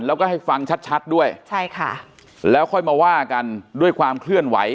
แล้วก็ให้ฟังชัดชัดด้วยใช่ค่ะแล้วค่อยมาว่ากันด้วยความเคลื่อนไหว